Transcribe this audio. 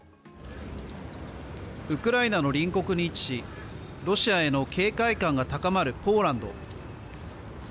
ウクライナの隣国に位置しロシアへの警戒感が高まるポーランド。